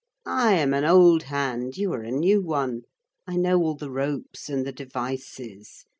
I am an old hand, you are a new one. I know all the ropes and the devices.